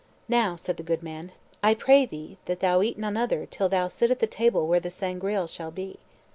"Now," said the good man, "I pray thee that thou eat none other till thou sit at the table where the Sangreal shall be."